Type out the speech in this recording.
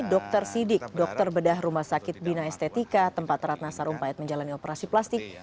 dr sidik dokter bedah rumah sakit bina estetika tempat ratna sarumpayat menjalani operasi plastik